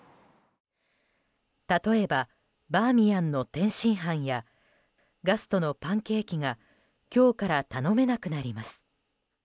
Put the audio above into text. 例えば、バーミヤンの天津飯やガストのパンケーキが今日から頼めなくなります。